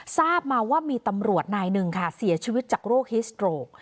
ทราบมาว่ามีตำรวจนายหนึ่งค่ะเสียชีวิตจากโรคฮิสโตรก